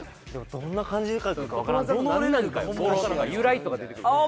どんな感じで書いてあるか分からんで由来とか出てくるかもああ